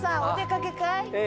お出かけかい？